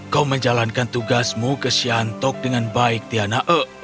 kau menjalankan tugasmu ke siantok dengan baik tiana